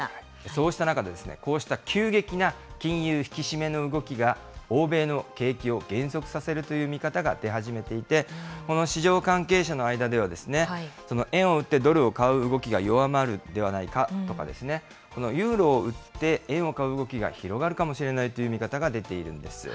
そうした中、こうした急激な金融引き締めの動きが、欧米の景気を減速させるという見方が出始めていて、この市場関係者の間では、円を売ってドルを買う動きが弱まるんではないかとかですね、このユーロを売って、円を買う動きが広がるかもしれないという見方が出ているんです。